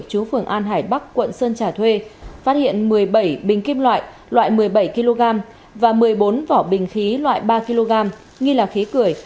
chú phường an hải bắc quận sơn trà thuê phát hiện một mươi bảy bình kim loại loại một mươi bảy kg và một mươi bốn vỏ bình khí loại ba kg nghi là khí cười